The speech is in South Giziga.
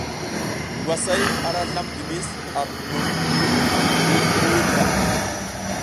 Ngwasay ara slam dimis ar hunum ngi buy ngi hirwuiy ndra.